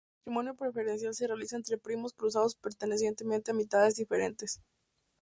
El matrimonio preferencial se realiza entre primos cruzados pertenecientes a mitades diferentes.